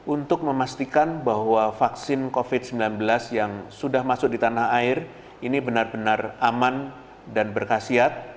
untuk memastikan bahwa vaksin covid sembilan belas yang sudah masuk di tanah air ini benar benar aman dan berkasiat